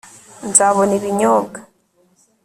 nzabona ibinyobwa